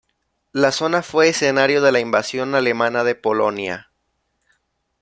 La zona fue escenario de la invasión alemana de Polonia.